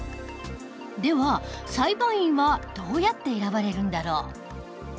では裁判員はどうやって選ばれるんだろう？